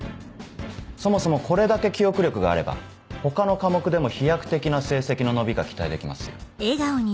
そもそもこれだけ記憶力があれば他の科目でも飛躍的な成績の伸びが期待できますよ。